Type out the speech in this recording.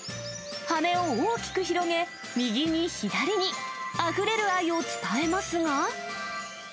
羽を大きく広げ、右に左に、あふれる愛を伝えますが。